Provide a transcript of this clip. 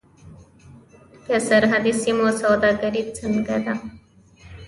د سرحدي سیمو سوداګري څنګه ده؟